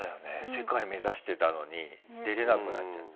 世界目指してたのに出れなくなっちゃった。